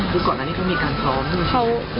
คือก่อนนั้นเขามีการซ้อม